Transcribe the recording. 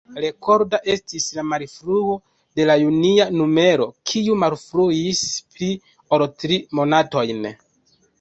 Rekorda estis la malfruo de la junia numero, kiu malfruis pli ol tri monatojn.